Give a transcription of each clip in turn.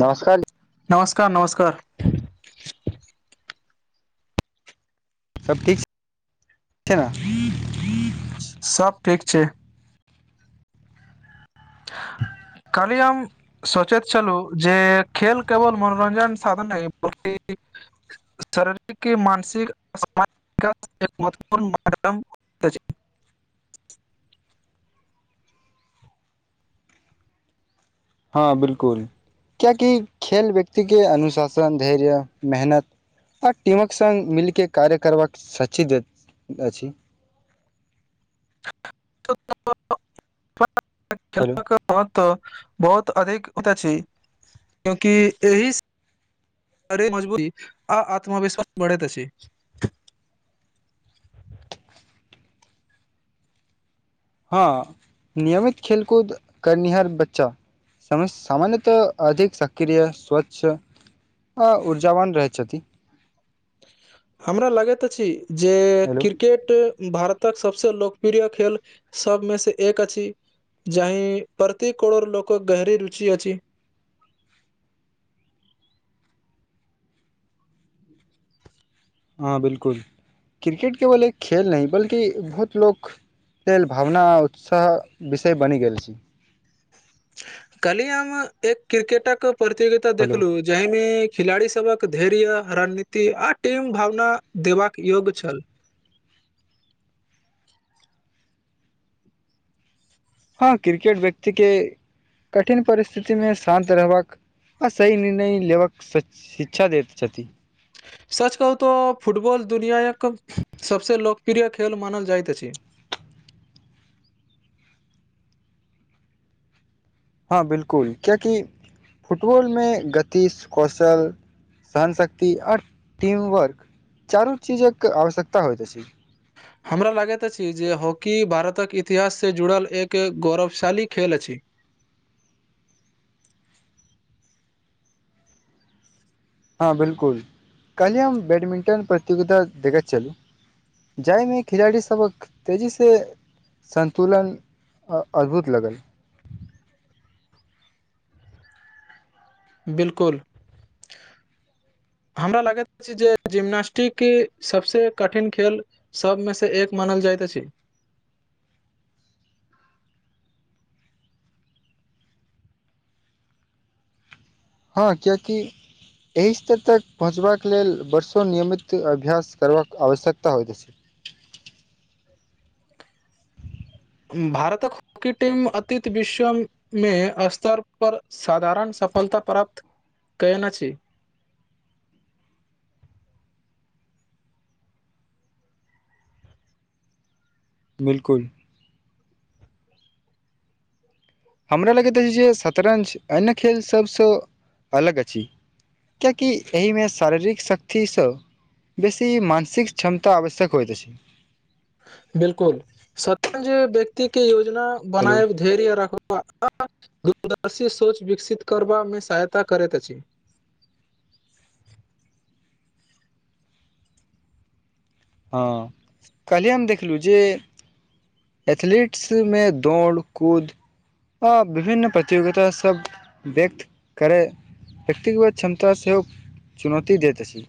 नमस्कार नमस्कार नमस्कार सब ठीक [unintelligible] छै ने सब ठीक छै [inaudible] कलीयम सोचैत छलु जे खेल केवल मनोरंजन साधन नहि बल्कि शारीरिक के मानसिक महत्वपूण [unintelligible] माध्यम हँ बिलकुल क्येकि खेल व्यक्ति के अनुशासन धैर्य मेहनत आ टीमक संग मिलके कार्य करबाक सची देत अछि त [inaudible] हेलो महत्व बहुत अधिक होते छी क्योकि एहि मजबूरी आ आत्मविश्वास बढ़ेत अछि हँ नियमित खेलकूद करनिहार बच्चा सामान्यतः अधिक सक्रिय स्वच्छ ह ऊर्जावान रहय छथि हमरा लगैत अछि जे हेलो क्रिकेट भारतक सबसँ लोकप्रिय खेल सबमे से एक अछि जाहि प्रति करोड़ लोकक गहरी रुचि अछि हँ बिलकुल क्रिकेट केवल एक खेल नहि बल्कि बहुत लोक खेल भावना आ उत्साह विषय बनि गेल छी काल्हि हम एक क्रिकेटक प्रतिियगिता हेलो देखलु जाहि मे खिलाड़ी सबक धैर्य रणनीति आ टीम भावना देवा के योग्य छल हँ क्रिकेट व्यक्तिके कठिन परिस्थितिमे शान्त रहबाक आ सही निर्णय लेबक शिक्षा दैत छथि सच कहू तऽ फुटबॉल दुनिआँक सभसँ लोकप्रिय खेल मानल जाइत अछि हँ बिलकुल किएकि फुटबॉलमे गति कौशल सहन शक्ति ओर टीमवर्क चारू चीजक आवश्यकता होइत अछि हमरा लागैत अछि जे हॉकी भारतक इतिहाससँ जुड़ल एक गौरवशाली खेल अछि हँ बि बिल्कुल काल्हि हम बैडमिंटन प्रतियोगिता देखैत छलहुँ जाहिमे खिलाड़ी सबके तेजी से संन्तुलन अद्भुत लगल बिल्कुल [inaudible] हमरा लागैत अछि जे जिम्नास्टिक सभसँ कठिन खेल सबमे से एक मानल जाइत अछि हँ कियाकि एहि स्तर तक पहुँचबाक लेल वर्षों नियमित अभ्यास करबाक आवश्यकता होइत अछि भारतक हॉकी टीम अतीत विश्व मे स्तर पर साधारण सफलता प्राप्त कयना छी बिल्कुल हमरा लगैत अछि जे शतरंज अन्य खेल सभसँ अलग अछि कियाकि एहिमे शारीरिक शक्तिसँ बेसी मानसिक क्षमता आवश्यक होइत अछि बिल्कुल शतरंज व्यक्ति के योजना हेलो बनायब धैर्य रखब आ दूरदर्शी सोच विकसित करबामे सहायता करैत अछि हँ कल्हिे हम देखलहुँ जे एथलीट्समे दौड़ कूद आ विभिन्न प्रतियोगिता सँ सब व्यक्त करै व्यक्तिगगत क्षमता सेहो चुनौती दैत अछि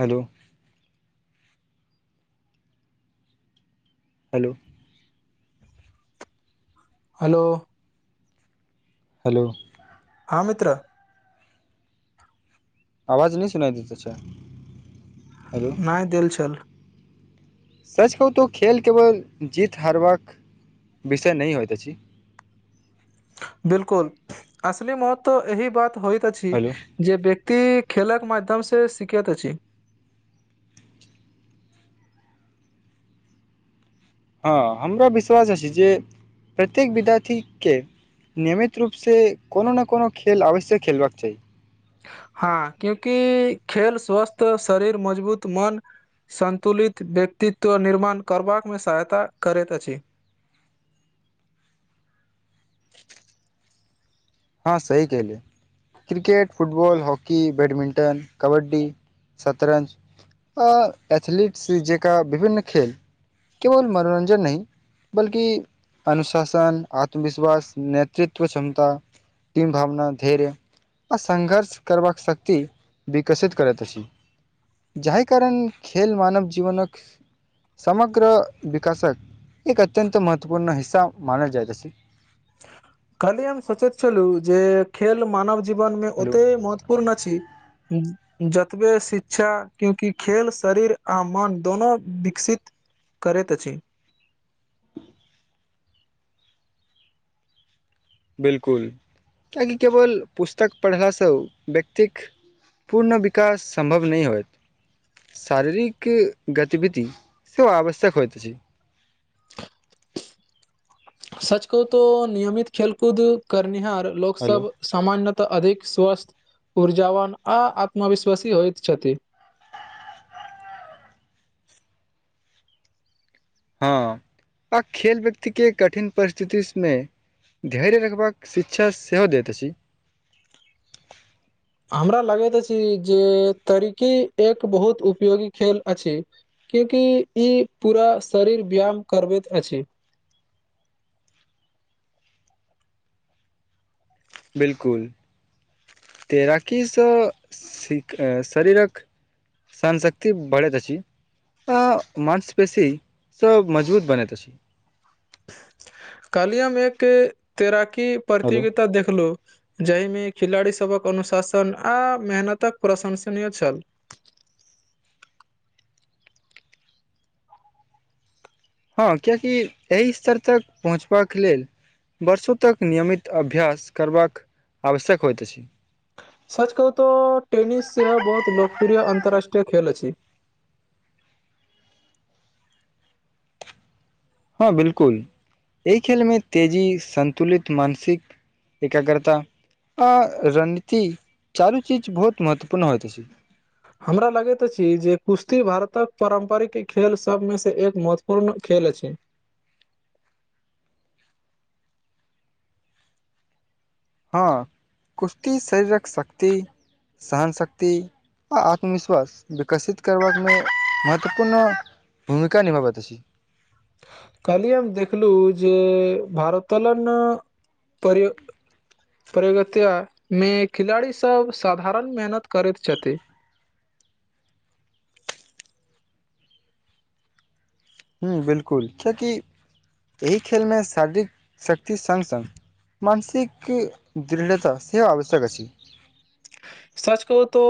हेलो हेलो हेलो हेलो हँ मित्र आवाज ने सुनाई देैत छै नहि देेल चल सच कहू तो खेल केवल जीत हरबाक विषय नहि होइत अछि बिलकुल असली महत्त्व एहि बात होइत अछि हेलो जे व्यक्ति खेलक माध्यम से सीखैत अछि हँ हमरा विश्वास अछि जे प्रत्येक विद्यार्थीके नियमित रूपसँ कोनो ने कोनो खेल अवश्य खेलबाक चाही हँ क्योकि खेल स्वस्थ शरीर मजबूत मन सन्तुलित व्यक्तित्व निर्माण करबामे सहायता करैत अछि हँ सही केह लिय cricket football hockey badminton kabaddi शतरंज अ एथलीटस जे का विभिन्न खेल केवल मनोरंजन नहि बल्कि अनुशासन आत्मविश्वास नेतृत्व क्षमता [unintelligible] भावना धैर्य आ संङघर्ष करबाक शक्ति विकसित करैत अछि जाहि कारण खेल मानव जीवनक समग्र विकासक एक अत्यन् महत्वपूर्ण हिस्सा मानल जाइत अछि अर्से हम सोचैत छलहुँ जे खेल मानव जीवनमे हेलो ओते महत्व पूर्ण अछी हूँ जतबे शिक्षा क्यूंकि खेल शरीर आ मन दोनो विकसित करैत अछि बिलकुल किएकि केवल पुस्तक पढ़लासँ व्यक्तिक पूर्ण विकास सम्भव नहि होइत शारीरिक गतिविधि सेहो आवश्यक होइत अछि सच कहूँ तो नियमित खेल कूद करनिहार लोक हेलो सब सामान्यतः अधिक स्वस्थ ऊर्जाावन आ आत्मविश्वासी होइत छथि हँ आ खेल व्यक्ति के कठिन परिस्थितिस मे धैर्य रखबाक शिक्षा सेहो दैत अछि आ हमरा लगैत छी जे तरिकी एक बहुत उपयोगी खेल अछि क्यूकि ई पूरा शरीर व्यायाम करबैत अछि बिलकुल तैराकीसँ शरीरक सहनशक्ति बढ़ैत अछि अ‌ माँसपेशीसँ मजबूत बनैत छी कालियमे एक तैराकी हेलो प्रतियोगिता देखलो जाहिमे खिलाड़ीसभक अनुशासन आ मेहनतक प्रशंसनीय छल हँ कियकि एहि स्तर तक पहुँचबाक लेल वर्षों तक नियमित अभ्यास करबाक आवश्यक होइत अछि सच कहू तऽ टेनिस बहुत लोकप्रिय अंतरराष्ट्रीय खेल अछि हँ बिलकुल एहि खेलमे तेजी संन्तुलित मानसिक एकरा करता अ रणनीति चारु चीज बहुत महत्वपूर्ण होइत छै हमरा लगैत अछि जे कुश्ती भारतक पारम्परिक खेल सबमें से एक महत्व पूर्ण खेल अछि हँ कुश्ती शरीरक शक्ति सहन शक्ति आ आत्मविश्वास विकसित करबामे महत्वपूर्ण भूमिका निभाबैत अछि कहली, हम देखलहुँ जे भारोतलन [unintelligible] प्रगितियामे खिलाड़ी सब साधारण मेहनत करैत छथि हॅं, बिलकुल किएकि एहि खेलमे शारीरिक शक्ति सङ्ग-सङ्ग मानसिक दृढ़ता सेहो आवश्यक अछि सच कहू तो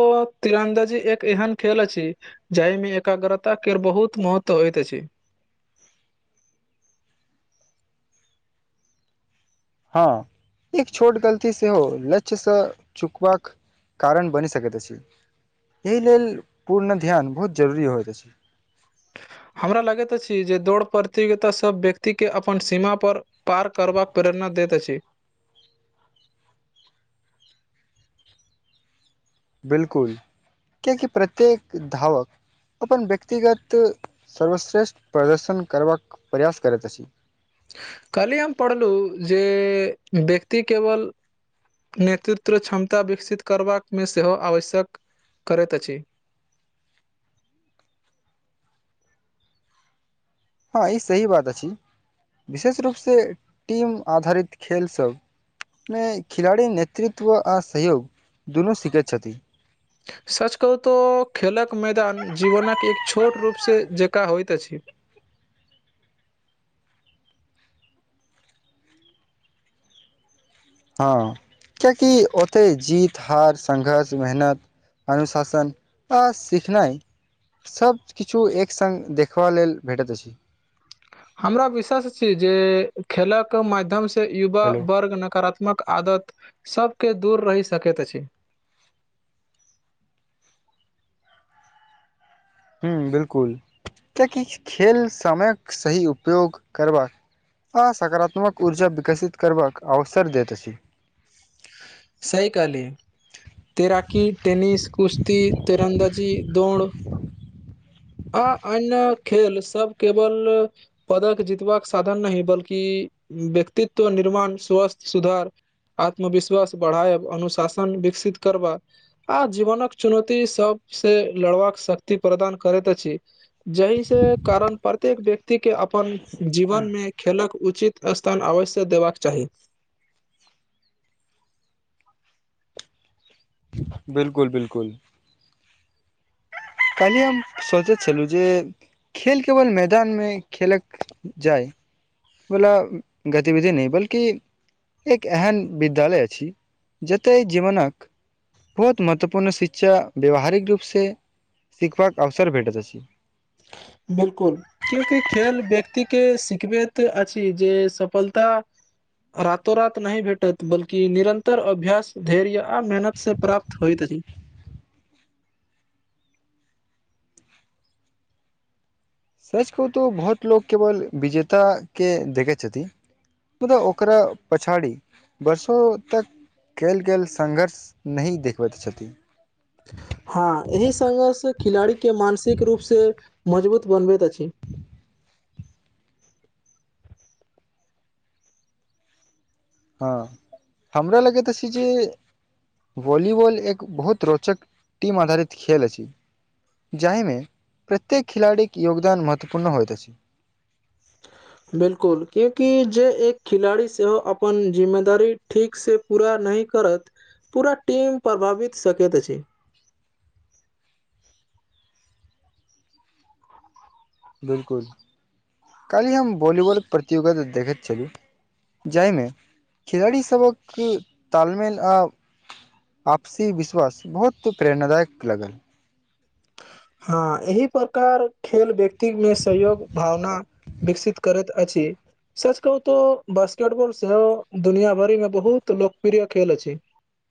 तीरन्दाजी एक एहन खेल अछि जाहिमे एकाग्रता केर बहुत महत्व होइत अछि हँ एक छोट गलती सेहो लक्ष्यसँ चुकबाक कारण बनि सकैत अछि, एहि लेल पूर्ण ध्यान बहुत जरूरी होइत अछि हमरा लगैत अछि जे दौड़ प्रतियोगिता सभ व्यक्तिके अपन सीमापर पार करबाक प्रेरणा दैत अछि। बिल्कुल, कएकि प्रत्येक धावक अपन व्यक्तिगत सर्वश्रेष्ठ प्रदर्शन करबाक प्रयास करैत अछि। काल्हिये हम पढ़लहुँ जे व्यक्ति केवल नेतृत्व क्षमता विकसित करबाकमे सेहो आवश्यक करैत अछि। हँ ई सही बात अछि, विशेष रूपसँ टीम आधारित खेल सभ मे खिलाड़ी नेतृत्व आ सहयोग दुनू सीखैत छथि। सच कहू तऽ खेलक मैदान जीवनक एक छोट रूपसँ जकाँ होइत अछि। हँ किएकि ओतय जीत, हार, संघर्ष, मेहनत अनुशासन आ सीखनाइ सभ किछु एक संग देखबा लेल भेटैत अछि। हमरा विश्वास छी जे खेलक माध्यमसँ युवा हेलो वर्ग नकारात्मक आदत सबके दूर रहि सकैत अछि। हॅं, बिल्कुल। किएकि खेल समयक सही उपयोग करबाक आ सकारात्मक ऊर्जा विकसित करबाक अवसर देैत अछि सही कहली। तैराकी, टेनिस, कुशती, तेरन्दाजी, दौड़ आ अन्य खेल सब केवल पदक जीतबाक साधन नहि बल्कि व्यक्तित्व निर्माण, स्वस्थ सुधार आत्मविश्वास बढ़ायब, अनुशासन विकसित करबा आ जीवनक चुनौती सबसँ लड़बाक शक्ति प्रदान करैत अछि जाहिसे कारण प्रत्येक व्यक्तिके अपन जीवनमे खेलक उचित स्थान अवश्य देबाक चाही। बिल्कुल बिल्कुल। काल्हिये हम सोचैत छलहुँ जे खेल केवल मैदानमे खेलल जाय बला गतिविधि नहि बल्कि एक एहन विद्यालय अछि जतय जीवनक बहुत महत्वपूर्ण शिक्षा व्यावहारिक रूपसँ शिखबाक अवसर भेटैत अछि। बिल्कुल क्यूकि खेल व्यक्तिके सिखबैत अछि जे सफलता रातो-रात नहि भेटत बल्कि निरन्तर अभ्यास, धैर्य आ मेहनतसे प्राप्त होइत अछि। सच कहू तऽ बहुत लोक केवल विजताके देखै छथि। मलब ओकरा पछाड़ी वर्षो तक कएल गेल संघर्ष नहि देखबैत छथि। हँ एहि संघर्ष खिलाड़ीके मानसिक रूपसँ मजबूत बनबैत अछि। हँ, हमरा लगैत अछि जे वालीवाॅल एक बहुत रोचक टीम आधारित खेल अछि। जाहिमे प्रत्येक खिलाड़ीक योगदान महत्वपूर्ण होइत अछि बिल्कुल क्यएकि जे एक खिलाड़ी सेहो अपन जिम्मेदारी ठीकसँ पूरा नहि करत पूरा टीम प्रभावित सकैत अछि बिल्कुल कालहि हम वॉलीबॉल प्रतियोगिता देखैत छली जाहिमे खिलाड़ी सबक तालमेल आ आपसी विश्वास बहुत प्रेरणादायक लगल हँ एहि प्रकार खेल व्यक्ति मे सहयोग भावना विकसित करैत अछि सच कहू तऽ बास्केटबॉल सेहो दुनिया भरि मे बहुत लोकप्रिय खेल अछि